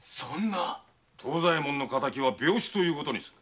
藤左衛門の敵は病死ということにする。